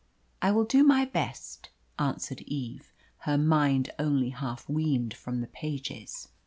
"I will do my best," answered Eve, her mind only half weaned from the pages.